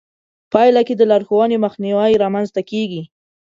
پايله کې د لارښوونې مخنيوی رامنځته کېږي.